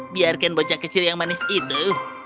biarkan bocah kecil yang manis itu